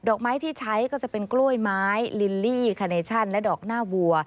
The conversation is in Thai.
อกไม้ที่ใช้ก็จะเป็นกล้วยไม้ลิลลี่คาเนชั่นและดอกหน้าวัว